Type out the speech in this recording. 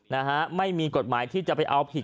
นะฮะไม่มีกฎหมายที่จะไปเอาผิด